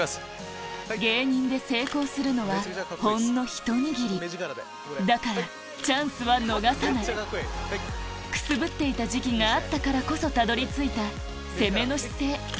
芸人で成功するのはほんのひと握りだからチャンスは逃さないくすぶっていた時期があったからこそたどり着いた攻めの姿勢